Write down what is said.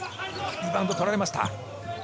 リバウンドは取られました。